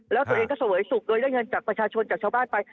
แล้วตัวเองก็เสวยสุขโดยได้เงินจากประชาชนจากชาวบ้านไป